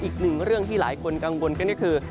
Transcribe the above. อีกหนึ่งเรื่องที่หลายคนกังวลกันก็คือ